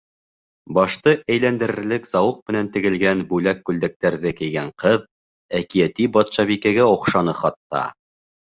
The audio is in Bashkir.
Башты әйләндерерлек зауыҡ менән тегелгән бүләк-күлдәктәрҙе кейгән ҡыҙ әкиәти батшабикәгә оҡшаны хатта.